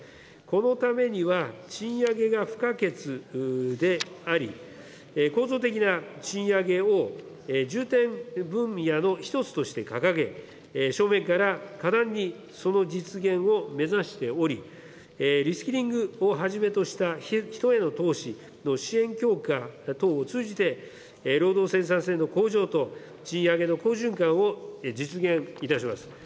このためには、賃上げが不可欠であり、構造的な賃上げを重点分野の一つとして掲げ、正面から果断にその実現を目指しており、リスキリングをはじめとした人への投資の支援強化等を通じて、労働生産性の向上と賃上げの好循環を実現いたします。